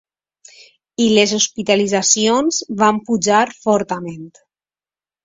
I les hospitalitzacions van pujar fortament.